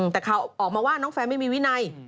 แต่ข่าวออกมาว่าน้องแฟนไม่มีวินัย